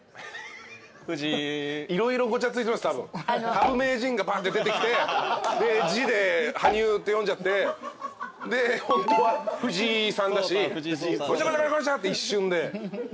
羽生名人がバンッて出てきてで字で「はにゅう」って読んじゃってでホントは藤井さんだしごちゃごちゃごちゃって一瞬で。